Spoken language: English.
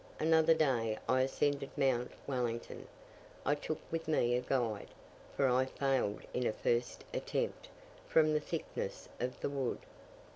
Another day I ascended Mount Wellington; I took with me a guide, for I failed in a first attempt, from the thickness of the wood.